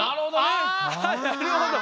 あなるほど！